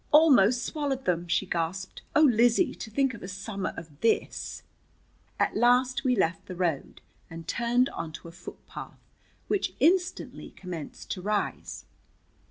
"Al almost swallowed them," she gasped. "Oh, Lizzie, to think of a summer of this!" At last we left the road and turned onto a footpath, which instantly commenced to rise.